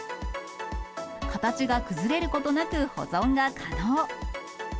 形が崩れることなく保存が可能。